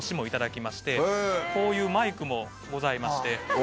こういうマイクもございまして。